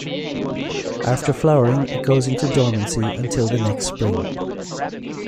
After flowering, it goes into dormancy until the next spring.